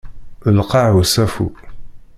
D lqaɛ usafu.